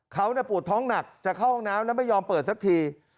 เขาปวดท้องหนักจะเข้าห้องน้ำแล้วไม่ยอมเปิดสักที